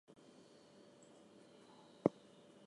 The Red Lodge cemetery contains a memorial.